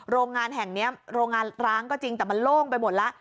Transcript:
โรงงานแห่งนี้โรงงานร้างก็จริงแต่มันโล่งไปหมดแล้ว